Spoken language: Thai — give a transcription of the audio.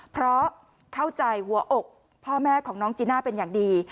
เพราะเข้าใจหัวอกพ่อแม่ของน้องจีน่าเป็นอย่างดี